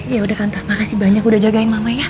ya udah kanto makasih banyak udah jagain mama ya